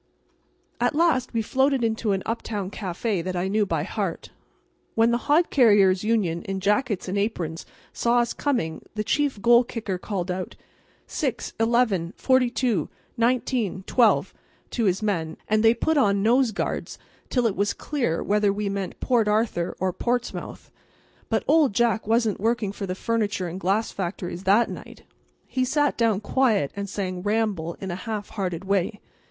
At last we floated into an uptown café that I knew by heart. When the hod carriers' union in jackets and aprons saw us coming the chief goal kicker called out: "Six—eleven—forty two—nineteen—twelve" to his men, and they put on nose guards till it was clear whether we meant Port Arthur or Portsmouth. But Old Jack wasn't working for the furniture and glass factories that night. He sat down quiet and sang "Ramble" in a half hearted way.